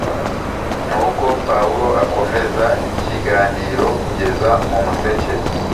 Nuko Pawulo akomeza ikiganiro kugeza mu museke